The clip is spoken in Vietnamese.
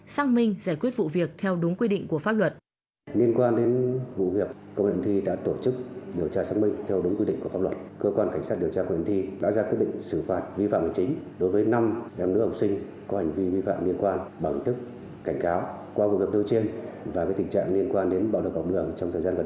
xác minh giải quyết vụ việc theo đúng quy định của pháp luật